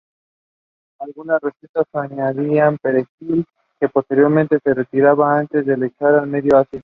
Algunas recetas añadían perejil que posteriormente se retiraba antes de echar el medio ácido.